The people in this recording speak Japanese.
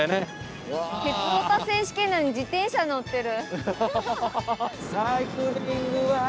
「鉄オタ選手権」なのに自転車乗ってる。